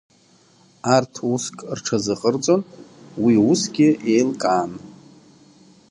Арҭ уск рҽазыҟарҵон, уи усгьы еилкаан.